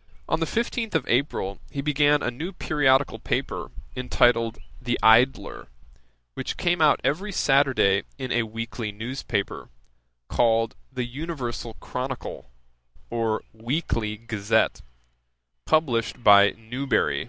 "' On the fifteenth of April he began a new periodical paper, entitled The Idler,[*] which came out every Saturday in a weekly news paper, called The Universal Chronicle, or Weekly Gazette, published by Newbery.